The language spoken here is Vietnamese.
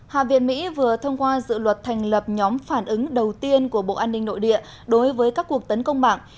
hạ viện mỹ vừa thông qua dự luật thành lập nhóm phản ứng đầu tiên của bộ an ninh nội địa đối với các cuộc tấn công mạng